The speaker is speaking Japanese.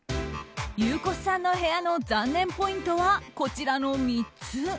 ゆうこすさんの部屋の残念ポイントは、こちらの３つ。